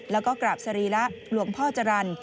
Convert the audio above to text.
แล้วก็กราบสรีระหลวงพ่อจรรย์